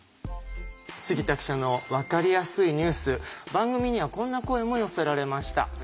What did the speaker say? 杉田記者のわかりやすいニュース番組にはこんな声も寄せられました。